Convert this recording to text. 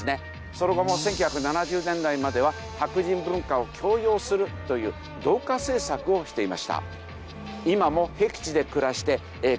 その後も１９７０年代までは白人文化を強要するという同化政策をしていました。